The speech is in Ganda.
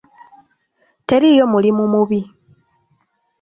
Teriiyo mulimu mubi.